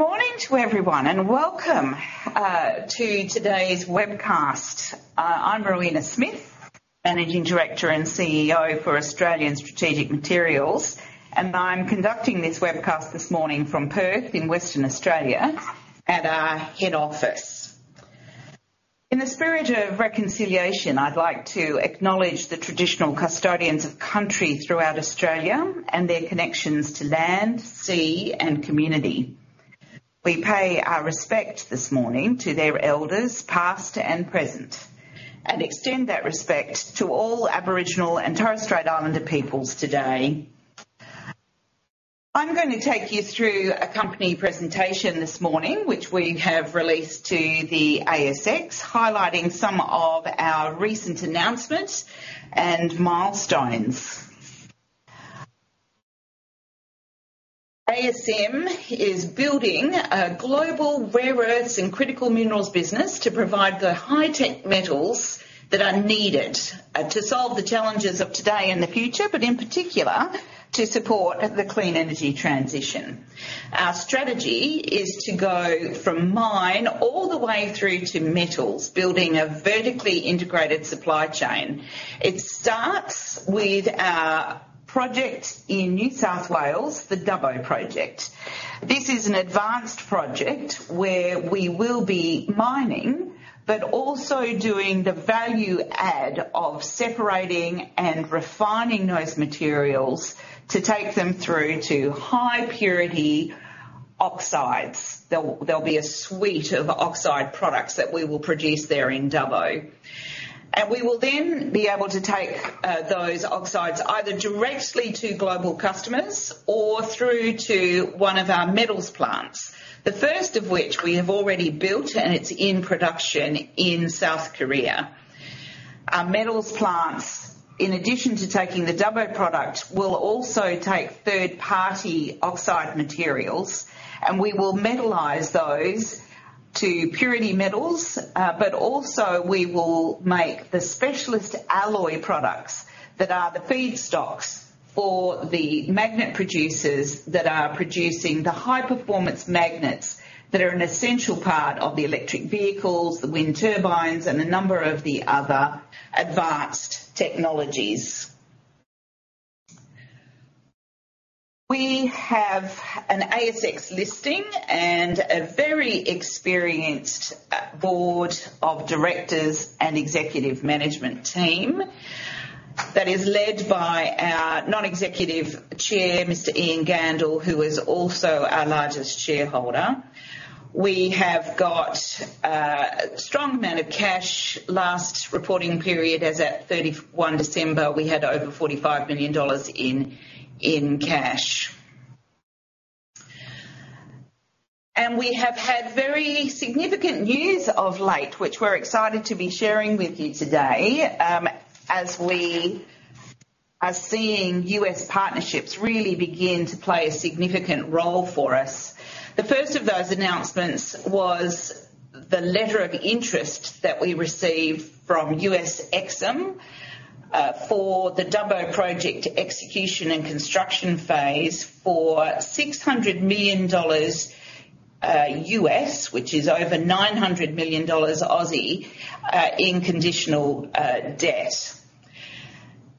Good morning to everyone, and welcome to today's webcast. I'm Rowena Smith, Managing Director and CEO for Australian Strategic Materials, and I'm conducting this webcast this morning from Perth in Western Australia at our head office. In the spirit of reconciliation, I'd like to acknowledge the traditional custodians of country throughout Australia and their connections to land, sea and community. We pay our respect this morning to their elders, past and present, and extend that respect to all Aboriginal and Torres Strait Islander peoples today. I'm going to take you through a company presentation this morning, which we have released to the ASX, highlighting some of our recent announcements and milestones. ASM is building a global rare earths and critical minerals business to provide the high-tech metals that are needed, to solve the challenges of today and the future, but in particular to support the clean energy transition. Our strategy is to go from mine all the way through to metals, building a vertically integrated supply chain. It starts with our project in New South Wales, the Dubbo Project. This is an advanced project where we will be mining, but also doing the value add of separating and refining those materials to take them through to high purity oxides. There'll be a suite of oxide products that we will produce there in Dubbo. We will then be able to take those oxides either directly to global customers or through to one of our metals plants, the first of which we have already built, and it's in production in South Korea. Our metals plants, in addition to taking the Dubbo product, will also take third-party oxide materials, and we will metallize those to pure metals. But also we will make the specialist alloy products that are the feedstocks for the magnet producers that are producing the high-performance magnets, that are an essential part of the electric vehicles, the wind turbines, and a number of the other advanced technologies. We have an ASX listing and a very experienced board of directors and executive management team that is led by our Non-Executive Chair, Mr. Ian Gandel, who is also our largest shareholder. We have got a strong amount of cash. Last reporting period, as at 31 December, we had over 45 million dollars in cash. We have had very significant news of late, which we're excited to be sharing with you today, as we are seeing U.S. partnerships really begin to play a significant role for us. The first of those announcements was the letter of interest that we received from U.S. EXIM for the Dubbo Project execution and construction phase for $600 million U.S., which is over 900 million Aussie dollars in conditional debt.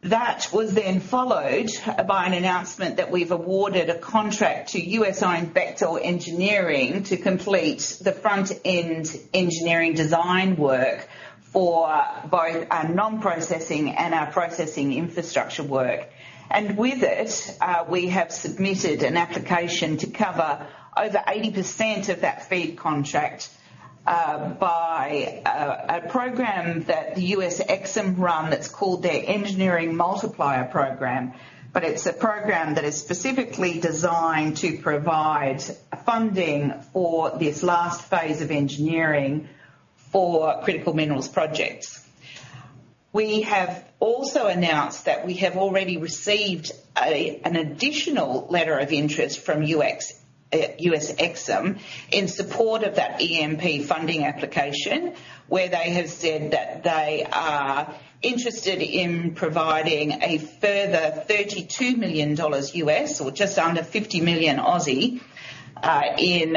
That was then followed by an announcement that we've awarded a contract to U.S.-owned Bechtel to complete the front-end engineering design work for both our non-processing and our processing infrastructure work. And with it, we have submitted an application to cover over 80% of that FEED contract by a program that the U.S. EXIM run that's called their Engineering Multiplier Program. But it's a program that is specifically designed to provide funding for this last phase of engineering for critical minerals projects. We have also announced that we have already received an additional letter of interest from U.S. EXIM in support of that EMP funding application, where they have said that they are interested in providing a further $32 million, or just under 50 million, in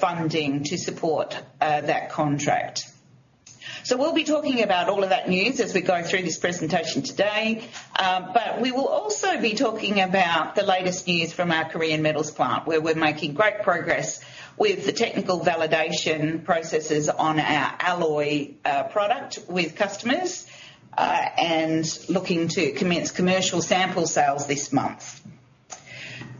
funding to support that contract. So we'll be talking about all of that news as we go through this presentation today. But we will also be talking about the latest news from our Korean metals plant, where we're making great progress with the technical validation processes on our alloy product with customers, and looking to commence commercial sample sales this month.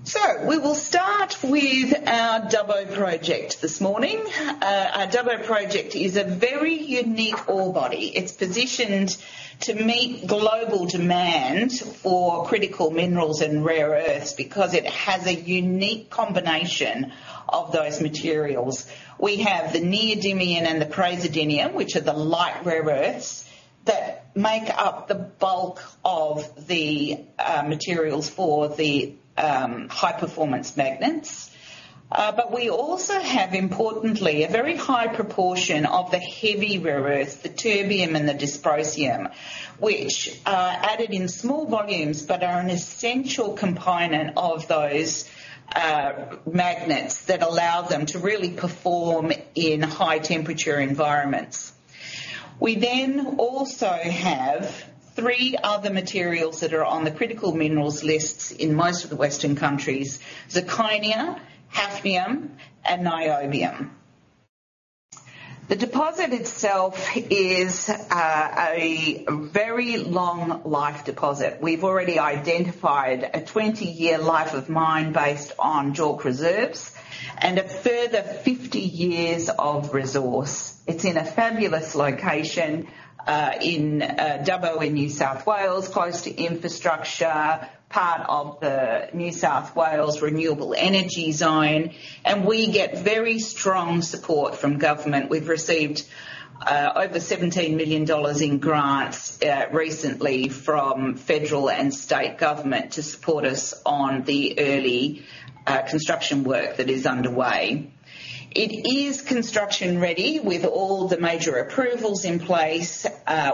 So we will start with our Dubbo Project this morning. Our Dubbo Project is a very unique ore body. It's positioned to meet global demand for critical minerals and rare earths, because it has a unique combination of those materials. We have the neodymium and the praseodymium, which are the light rare earths that make up the bulk of the materials for the high-performance magnets. But we also have, importantly, a very high proportion of the heavy rare earths, the terbium and the dysprosium, which are added in small volumes, but are an essential component of those magnets that allow them to really perform in high-temperature environments. We then also have three other materials that are on the critical minerals lists in most of the Western countries: zirconia, hafnium, and niobium. The deposit itself is a very long life deposit. We've already identified a 20-year life of mine based on JORC reserves and a further 50 years of resource. It's in a fabulous location in Dubbo, in New South Wales, close to infrastructure, part of the New South Wales Renewable Energy Zone, and we get very strong support from government. We've received over 17 million dollars in grants recently from federal and state government to support us on the early construction work that is underway. It is construction-ready with all the major approvals in place.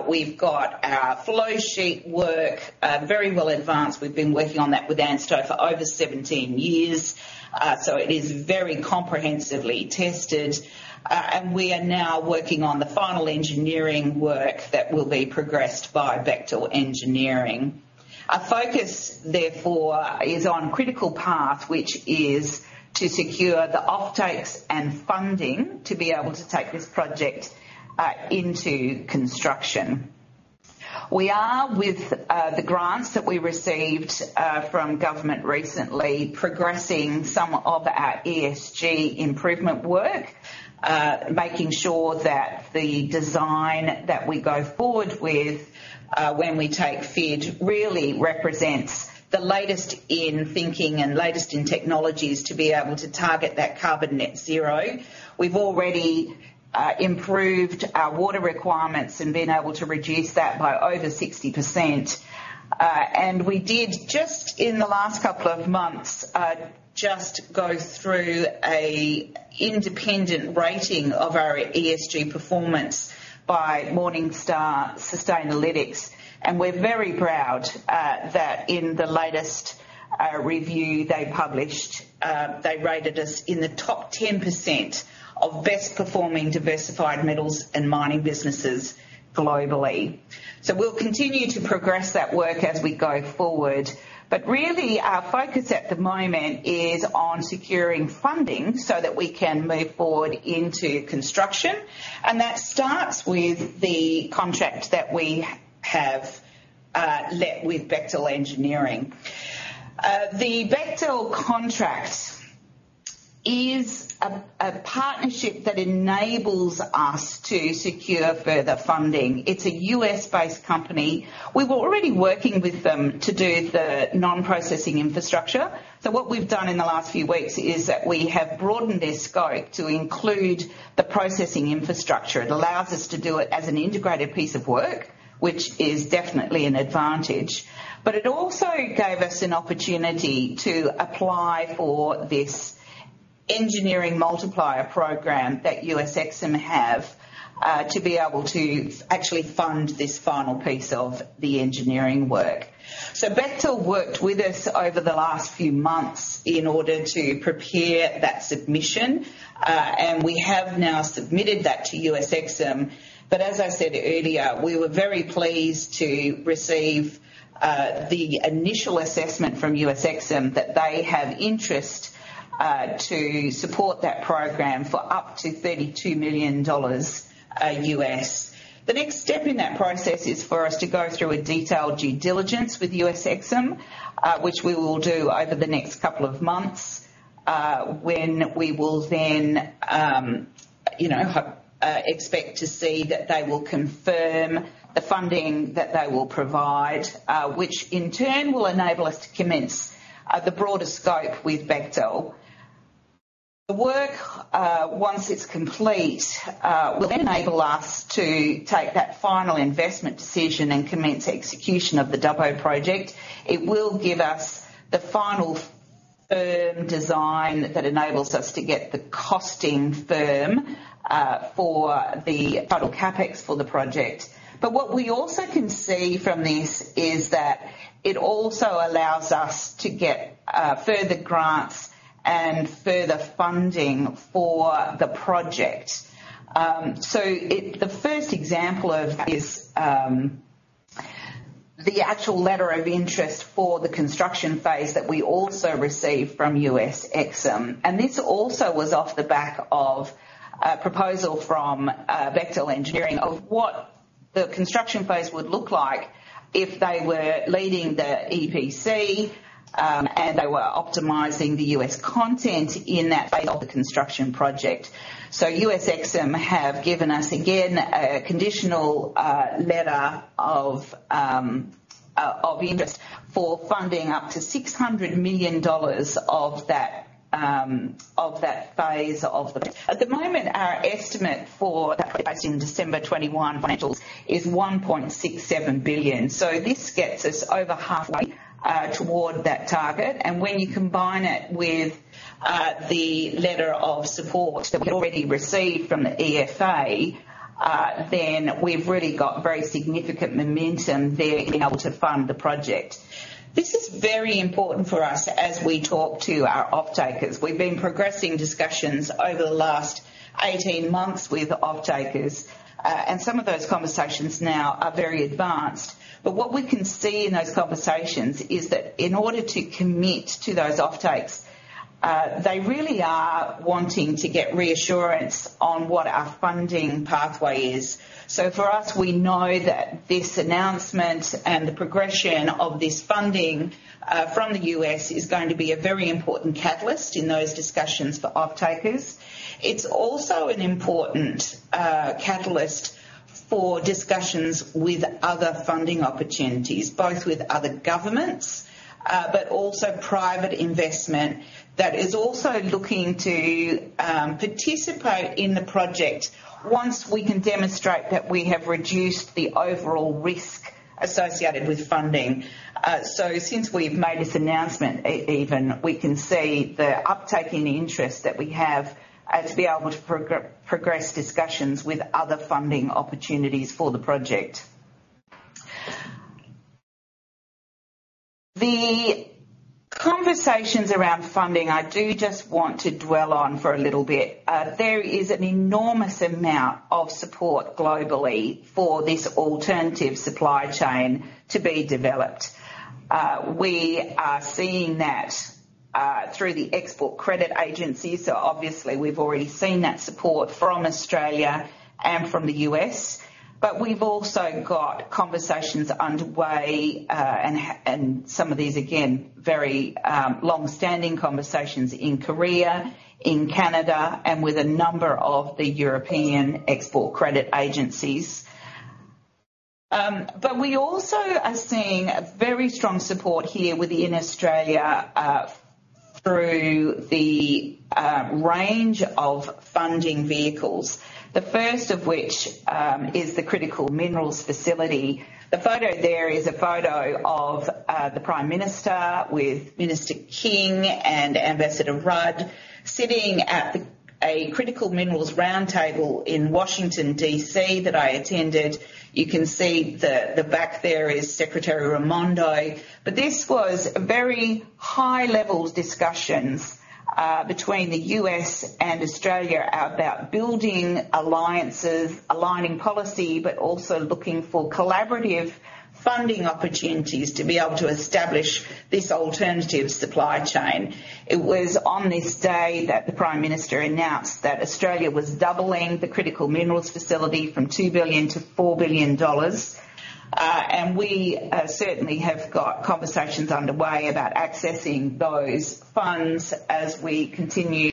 We've got our flowsheet work very well advanced. We've been working on that with ANSTO for over 17 years. So it is very comprehensively tested and we are now working on the final engineering work that will be progressed by Bechtel Engineering. Our focus, therefore, is on critical path, which is to secure the offtakes and funding to be able to take this project into construction. We are, with the grants that we received from government recently, progressing some of our ESG improvement work, making sure that the design that we go forward with when we take FID really represents the latest in thinking and latest in technologies to be able to target that carbon net zero. We've already improved our water requirements and been able to reduce that by over 60%. And we did, just in the last couple of months, just go through a independent rating of our ESG performance by Morningstar Sustainalytics, and we're very proud that in the latest review they published they rated us in the top 10% of best-performing diversified metals and mining businesses globally. So we'll continue to progress that work as we go forward. But really, our focus at the moment is on securing funding so that we can move forward into construction, and that starts with the contract that we have let with Bechtel. The Bechtel contract is a partnership that enables us to secure further funding. It's a U.S.-based company. We were already working with them to do the non-processing infrastructure. So what we've done in the last few weeks is that we have broadened their scope to include the processing infrastructure. It allows us to do it as an integrated piece of work, which is definitely an advantage, but it also gave us an opportunity to apply for this Engineering Multiplier Program that U.S. EXIM have to be able to actually fund this final piece of the engineering work. So Bechtel worked with us over the last few months in order to prepare that submission, and we have now submitted that to U.S. EXIM. But as I said earlier, we were very pleased to receive the initial assessment from U.S. EXIM that they have interest to support that program for up to $32 million. The next step in that process is for us to go through a detailed due diligence with U.S. EXIM, which we will do over the next couple of months, when we will then, you know, expect to see that they will confirm the funding that they will provide, which in turn will enable us to commence the broader scope with Bechtel. The work, once it's complete, will enable us to take that final investment decision and commence execution of the Dubbo Project. It will give us the final firm design that enables us to get the costing firm for the final CapEx for the project. But what we also can see from this is that it also allows us to get further grants and further funding for the project. The first example of this, the actual letter of interest for the construction phase that we also received from U.S. EXIM, and this also was off the back of a proposal from Bechtel of what the construction phase would look like if they were leading the EPC, and they were optimizing the U.S. content in that phase of the construction project. So U.S. EXIM have given us, again, a conditional, letter of, of interest for funding up to $600 million of that, of that phase of the- At the moment, our estimate for that, as in December 2021 financials, is $1.67 billion. So this gets us over halfway, toward that target. And when you combine it with, the letter of support that we've already received from the EFA, then we've really got very significant momentum there in being able to fund the project.... This is very important for us as we talk to our offtakers. We've been progressing discussions over the last 18 months with offtakers, and some of those conversations now are very advanced. But what we can see in those conversations is that in order to commit to those offtakes, they really are wanting to get reassurance on what our funding pathway is. So for us, we know that this announcement and the progression of this funding from the U.S. is going to be a very important catalyst in those discussions for offtakers. It's also an important catalyst for discussions with other funding opportunities, both with other governments, but also private investment that is also looking to participate in the project once we can demonstrate that we have reduced the overall risk associated with funding. So since we've made this announcement, even we can see the uptake in the interest that we have and to be able to progress discussions with other funding opportunities for the project. The conversations around funding, I do just want to dwell on for a little bit. There is an enormous amount of support globally for this alternative supply chain to be developed. We are seeing that through the export credit agencies. So obviously we've already seen that support from Australia and from the U.S., but we've also got conversations underway, and some of these, again, very long-standing conversations in Korea, in Canada, and with a number of the European export credit agencies. But we also are seeing a very strong support here within Australia through the range of funding vehicles, the first of which is the Critical Minerals Facility. The photo there is a photo of the Prime Minister with Minister King and Ambassador Rudd, sitting at a critical minerals roundtable in Washington, D.C., that I attended. You can see the back there is Secretary Raimondo. But this was very high-level discussions between the U.S. and Australia about building alliances, aligning policy, but also looking for collaborative funding opportunities to be able to establish this alternative supply chain. It was on this day that the Prime Minister announced that Australia was doubling the Critical Minerals Facility from 2 billion to 4 billion dollars. And we certainly have got conversations underway about accessing those funds as we continue.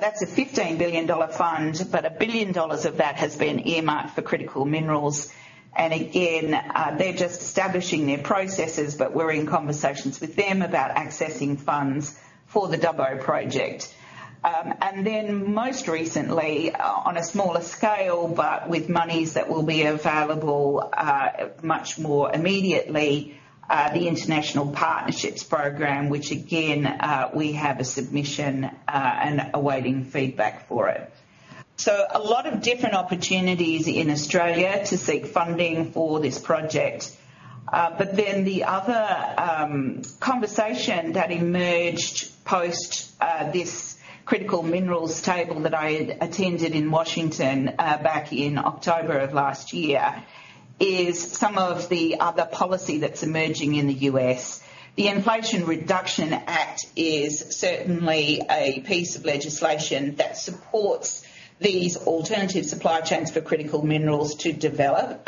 That's an 15 billion dollar fund, but 1 billion dollars of that has been earmarked for critical minerals. And again, they're just establishing their processes, but we're in conversations with them about accessing funds for the Dubbo Project. And then most recently, on a smaller scale, but with monies that will be available much more immediately, the International Partnerships Program, which again, we have a submission and awaiting feedback for it. So a lot of different opportunities in Australia to seek funding for this project. But then the other conversation that emerged post this critical minerals roundtable that I attended in Washington back in October of last year is some of the other policy that's emerging in the U.S. The Inflation Reduction Act is certainly a piece of legislation that supports these alternative supply chains for critical minerals to develop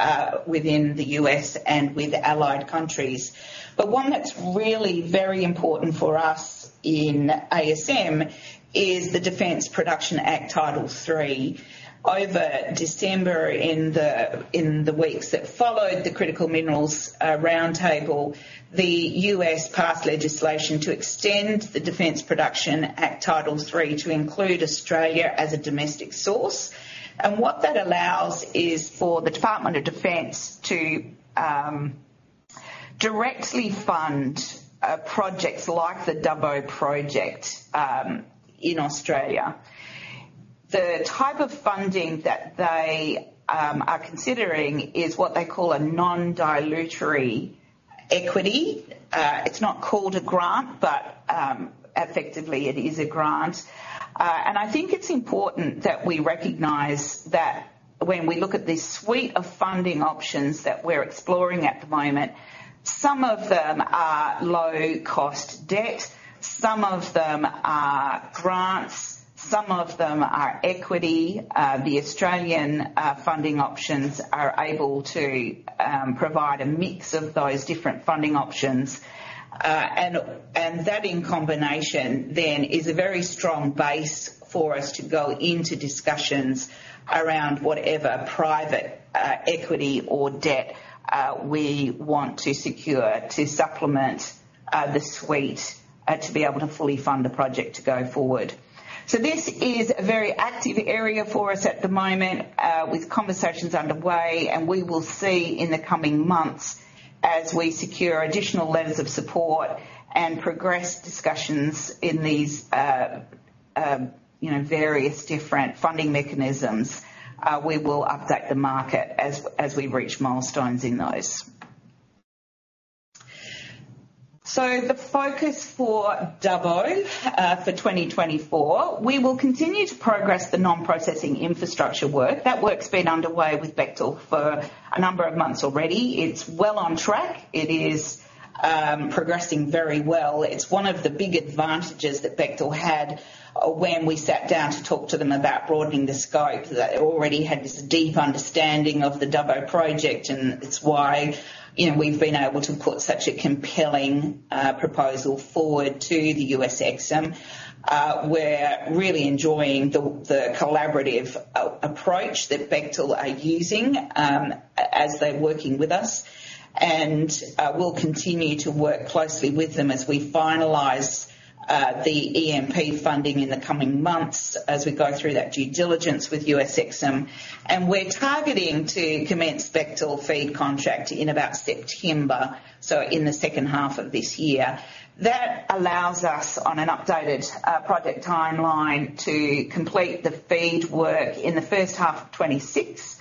within the U.S. and with allied countries. But one that's really very important for us in ASM is the Defense Production Act, Title III. Over December, in the weeks that followed the critical minerals roundtable, the U.S. passed legislation to extend the Defense Production Act, Title III, to include Australia as a domestic source. And what that allows is for the Department of Defense to directly fund projects like the Dubbo Project in Australia. The type of funding that they are considering is what they call a non-dilutive equity. It's not called a grant, but effectively it is a grant. And I think it's important that we recognize that when we look at this suite of funding options that we're exploring at the moment, some of them are low-cost debt, some of them are grants, some of them are equity. The Australian funding options are able to provide a mix of those different funding options. And that in combination then is a very strong base for us to go into discussions around whatever private equity or debt we want to secure to supplement the suite to be able to fully fund the project to go forward. So this is a very active area for us at the moment with conversations underway, and we will see in the coming months as we secure additional letters of support and progress discussions in these you know various different funding mechanisms. We will update the market as we reach milestones in those. So the focus for Dubbo for 2024 we will continue to progress the non-processing infrastructure work. That work's been underway with Bechtel for a number of months already. It's well on track. It is progressing very well. It's one of the big advantages that Bechtel had when we sat down to talk to them about broadening the scope. They already had this deep understanding of the Dubbo Project, and it's why, you know, we've been able to put such a compelling proposal forward to the U.S. EXIM. We're really enjoying the collaborative approach that Bechtel are using as they're working with us, and we'll continue to work closely with them as we finalize the EMP funding in the coming months as we go through that due diligence with U.S. EXIM. And we're targeting to commence Bechtel FEED contract in about September, so in the second half of this year. That allows us, on an updated, project timeline, to complete the FEED work in the first half of 2026,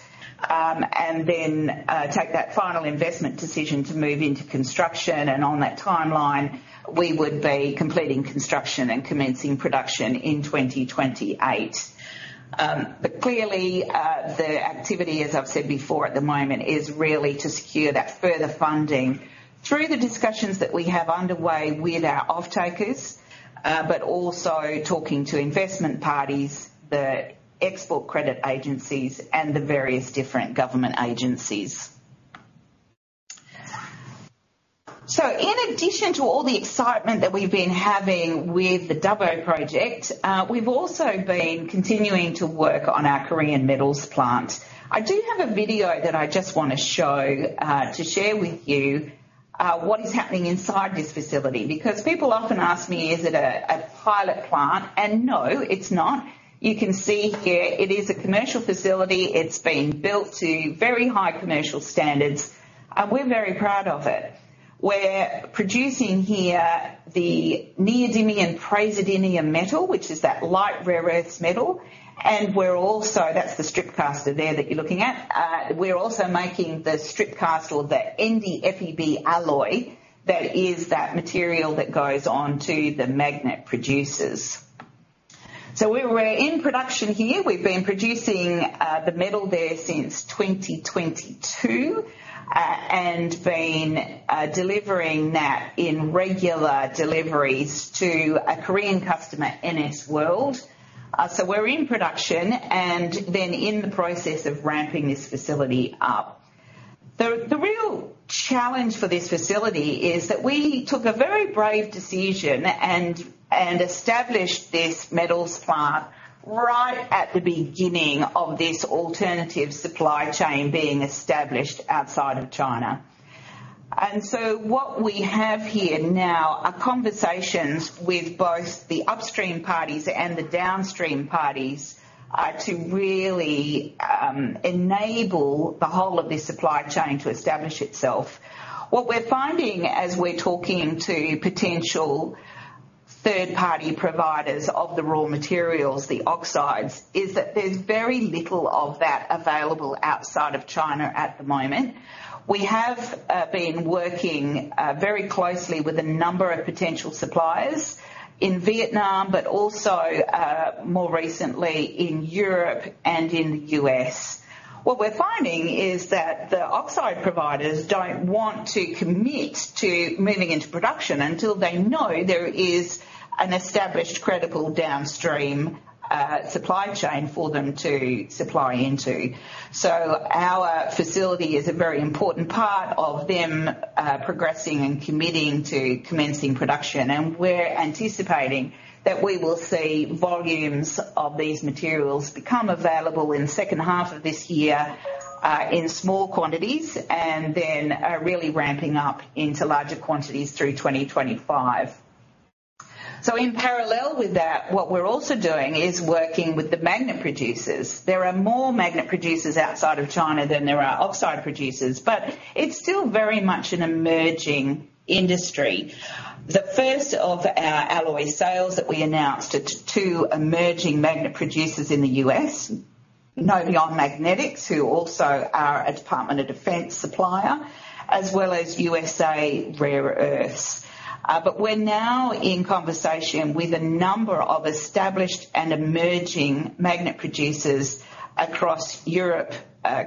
and then, take that final investment decision to move into construction, and on that timeline, we would be completing construction and commencing production in 2028. But clearly, the activity, as I've said before at the moment, is really to secure that further funding through the discussions that we have underway with our offtakers, but also talking to investment parties, the export credit agencies, and the various different government agencies. So in addition to all the excitement that we've been having with the Dubbo Project, we've also been continuing to work on our Korean metals plant. I do have a video that I just want to show, to share with you, what is happening inside this facility. Because people often ask me, "Is it a pilot plant?" No, it's not. You can see here it is a commercial facility. It's been built to very high commercial standards, and we're very proud of it. We're producing here the neodymium and praseodymium metal, which is that light rare earths metal, and we're also. That's the strip caster there that you're looking at. We're also making the strip cast, the NdFeB alloy, that is that material that goes on to the magnet producers. So we're in production here. We've been producing the metal there since 2022, and been delivering that in regular deliveries to a Korean customer, NS World. So we're in production and then in the process of ramping this facility up. The real challenge for this facility is that we took a very brave decision and established this metals plant right at the beginning of this alternative supply chain being established outside of China. And so what we have here now are conversations with both the upstream parties and the downstream parties to really enable the whole of this supply chain to establish itself. What we're finding as we're talking to potential third-party providers of the raw materials, the oxides, is that there's very little of that available outside of China at the moment. We have been working very closely with a number of potential suppliers in Vietnam, but also more recently in Europe and in the U.S.. What we're finding is that the oxide providers don't want to commit to moving into production until they know there is an established, credible downstream, supply chain for them to supply into. So our facility is a very important part of them, progressing and committing to commencing production, and we're anticipating that we will see volumes of these materials become available in the second half of this year, in small quantities, and then, really ramping up into larger quantities through 2025. So in parallel with that, what we're also doing is working with the magnet producers. There are more magnet producers outside of China than there are oxide producers, but it's still very much an emerging industry. The first of our alloy sales that we announced are two emerging magnet producers in the U.S., Noveon Magnetics, who also are a Department of Defense supplier, as well as U.S. Rare Earth. But we're now in conversation with a number of established and emerging magnet producers across Europe,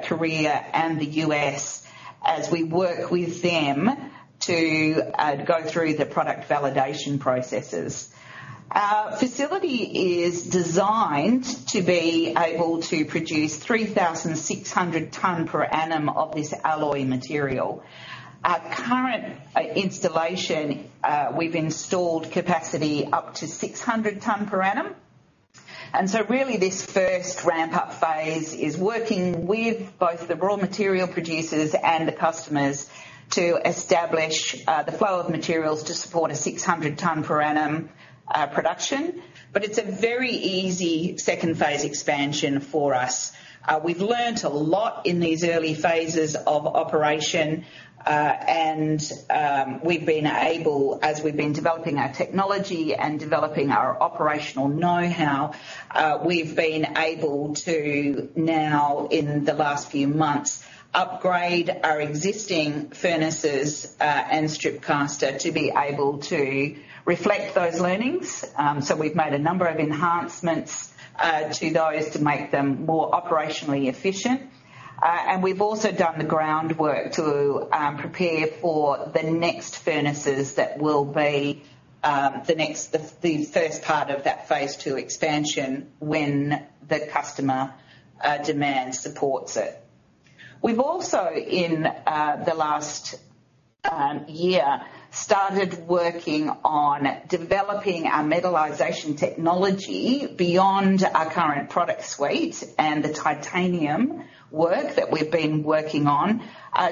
Korea, and the U.S. as we work with them to go through the product validation processes. Our facility is designed to be able to produce 3,600 tons per annum of this alloy material. Our current installation, we've installed capacity up to 600 tons per annum. And so really this first ramp-up phase is working with both the raw material producers and the customers to establish the flow of materials to support a 600 tons per annum production. But it's a very easy second phase expansion for us. We've learned a lot in these early phases of operation, and we've been able, as we've been developing our technology and developing our operational know-how, we've been able to now, in the last few months, upgrade our existing furnaces and strip caster to be able to reflect those learnings. So we've made a number of enhancements to those to make them more operationally efficient. And we've also done the groundwork to prepare for the next furnaces that will be the next, the first part of that phase two expansion when the customer demand supports it. We've also, in the last year, started working on developing our metallization technology beyond our current product suite and the titanium work that we've been working on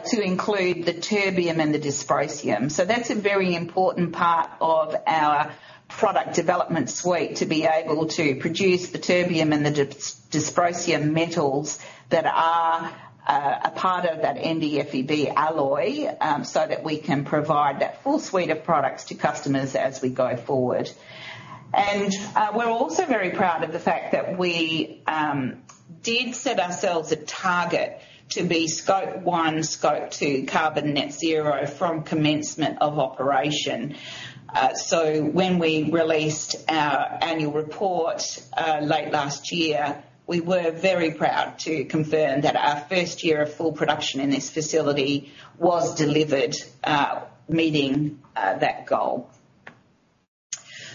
to include the terbium and the dysprosium. So that's a very important part of our product development suite, to be able to produce the terbium and the dysprosium metals that are a part of that NdFeB alloy, so that we can provide that full suite of products to customers as we go forward. We're also very proud of the fact that we did set ourselves a target to be Scope 1, Scope 2 carbon net zero from commencement of operation. When we released our annual report late last year, we were very proud to confirm that our first year of full production in this facility was delivered, meeting that goal.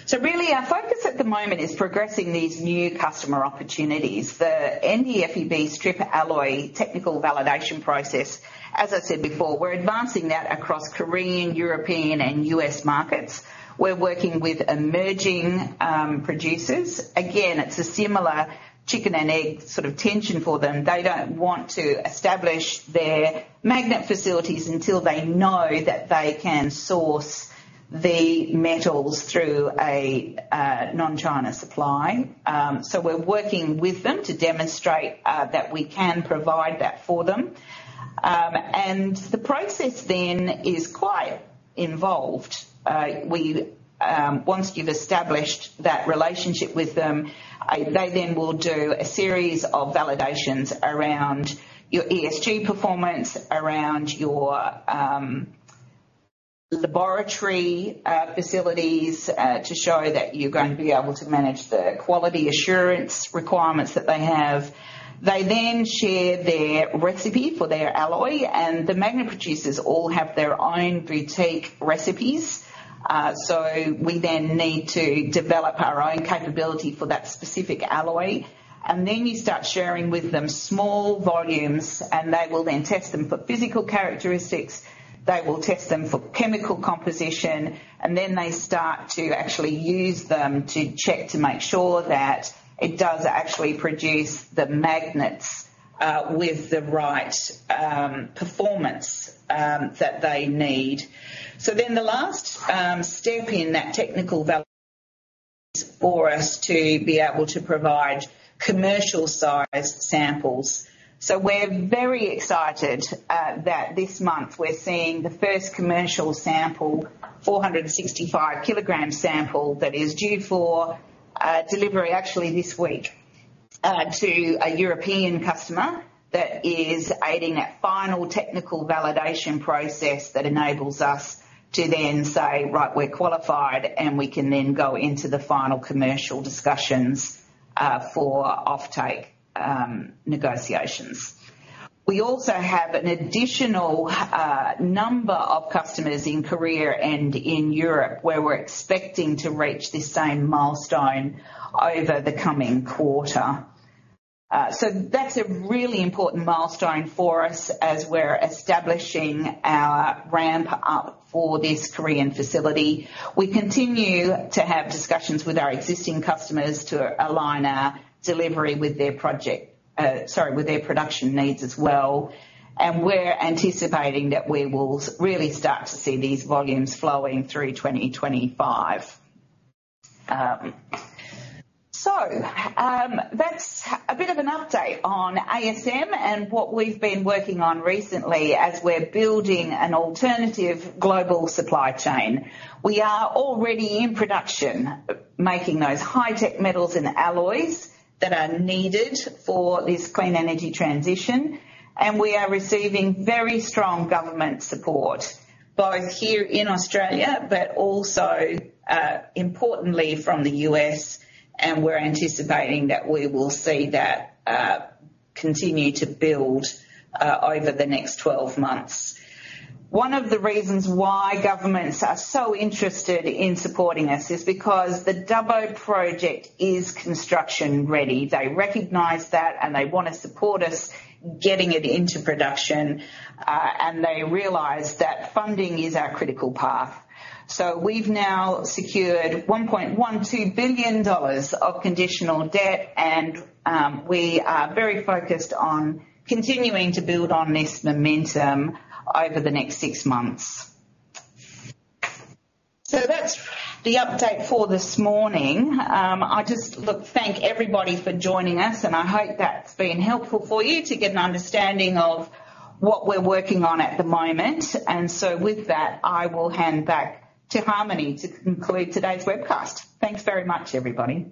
So really, our focus at the moment is progressing these new customer opportunities. The NdFeB strip alloy technical validation process, as I said before, we're advancing that across Korean, European and U.S. markets. We're working with emerging producers. Again, it's a similar chicken and egg sort of tension for them. They don't want to establish their magnet facilities until they know that they can source the metals through a non-China supply. So we're working with them to demonstrate that we can provide that for them. The process then is quite involved. Once you've established that relationship with them, they then will do a series of validations around your ESG performance, around your laboratory facilities, to show that you're going to be able to manage the quality assurance requirements that they have. They then share their recipe for their alloy, and the magnet producers all have their own boutique recipes. So we then need to develop our own capability for that specific alloy, and then you start sharing with them small volumes, and they will then test them for physical characteristics, they will test them for chemical composition, and then they start to actually use them to check to make sure that it does actually produce the magnets with the right performance that they need. So then the last step in that technical value for us to be able to provide commercial-sized samples. So we're very excited that this month we're seeing the first commercial sample, 465-kilogram sample, that is due for delivery actually this week to a European customer. That is aiding that final technical validation process that enables us to then say, "Right, we're qualified," and we can then go into the final commercial discussions for offtake negotiations. We also have an additional number of customers in Korea and in Europe, where we're expecting to reach this same milestone over the coming quarter. So that's a really important milestone for us as we're establishing our ramp up for this Korean facility. We continue to have discussions with our existing customers to align our delivery with their project, sorry, with their production needs as well. And we're anticipating that we will really start to see these volumes flowing through 2025. So that's a bit of an update on ASM and what we've been working on recently as we're building an alternative global supply chain. We are already in production, making those high-tech metals and alloys that are needed for this clean energy transition. We are receiving very strong government support, both here in Australia, but also, importantly from the U.S., and we're anticipating that we will see that continue to build over the next 12 months. One of the reasons why governments are so interested in supporting us is because the Dubbo Project is construction ready. They recognize that, and they want to support us getting it into production, and they realize that funding is our critical path. We've now secured 1.12 billion dollars of conditional debt, and we are very focused on continuing to build on this momentum over the next 6 months. So that's the update for this morning. I just, look, thank everybody for joining us, and I hope that's been helpful for you to get an understanding of what we're working on at the moment. So with that, I will hand back to Harmony to conclude today's webcast. Thanks very much, everybody.